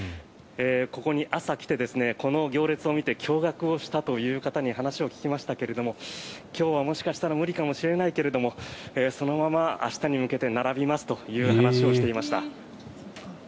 ここに朝来て、この行列を見て驚がくをしたという方に話を聞きましたけれど今日はもしかしたら無理かもしれないけれどそのまま明日に向けて並びますという話をされていました。